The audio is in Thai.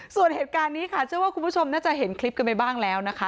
ส่วนเหตุการณ์นี้ค่ะเชื่อว่าคุณผู้ชมน่าจะเห็นคลิปกันไปบ้างแล้วนะคะ